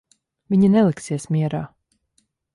Viņi neliksies mierā.